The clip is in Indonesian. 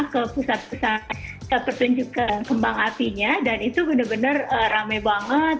ke pusat pusat pertunjukan kembang apinya dan itu bener bener rame banget